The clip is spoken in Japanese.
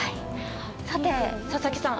さて佐々木さん